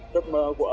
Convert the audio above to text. điếc bọn em thì sao